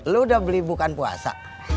lo udah beli bukan puasa